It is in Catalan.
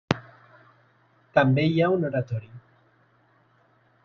També hi ha un oratori.